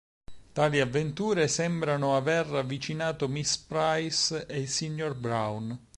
Tali avventure sembrano aver avvicinato Miss Price e il signor Browne.